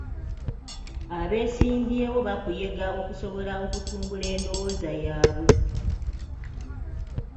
Abeesimbyewo bakuyega okusobola okutumbula endowooza yaabwe.